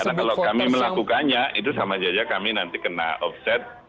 karena kalau kami melakukannya itu sama saja kami nanti kena offset